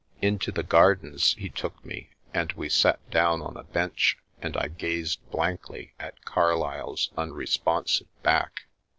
Into the gardens he took me and we sat down on a bench and I gazed blankly at Carlyle's unresponsive back.